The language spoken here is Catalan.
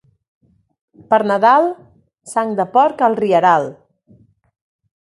Per Nadal, sang de porc al rieral.